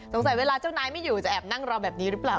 เวลาเจ้านายไม่อยู่จะแอบนั่งรอแบบนี้หรือเปล่า